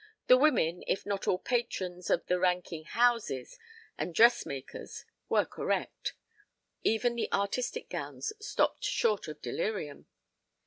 The women, if not all patrons of the ranking "houses" and dressmakers, were correct. Even the artistic gowns stopped short of delirium.